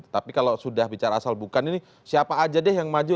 tapi kalau sudah bicara asal bukan ini siapa aja deh yang maju